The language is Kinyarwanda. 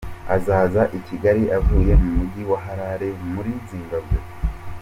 Azaza i Kigali avuye mu Mujyi wa Harare muri Zimbabwe.